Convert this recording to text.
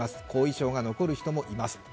後遺症が残る人もいます